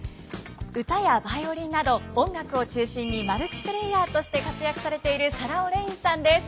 歌やバイオリンなど音楽を中心にマルチプレーヤーとして活躍されているサラ・オレインさんです。